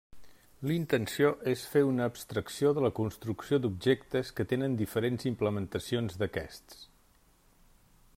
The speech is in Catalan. La intenció és fer una abstracció de la construcció d'objectes que tenen diferents implementacions d'aquests.